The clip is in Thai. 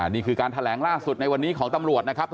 นี่คือการแถลงล่าสุดในวันนี้ของตำรวจนะครับ